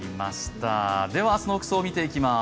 明日の服装を見ていきます。